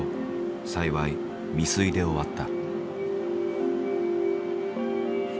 幸い未遂で終わった。